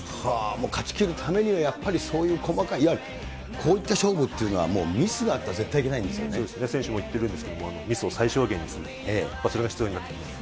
もう勝ちきるためにはやっぱりそういう細かい、いわゆるこういった勝負というのはミスがあったらいけないんですそうですね、選手も言ってるんですけれども、ミスを最小限にする、それが必要になってきます。